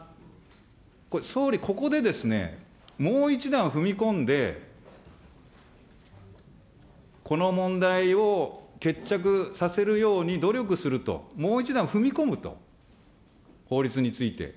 総理、ここでもう一段踏み込んで、この問題を決着させるように努力すると、もう一段踏み込むと、法律について。